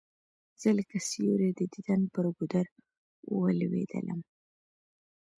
زه لکه سیوری د دیدن پر گودر ولوېدلم